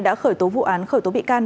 đã khởi tố vụ án khởi tố bị can